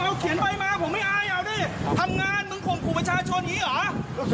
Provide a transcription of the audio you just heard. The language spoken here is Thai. ไม่เป็นไรพี่ผมไม่ลงพักมาด่าคุณได้ไง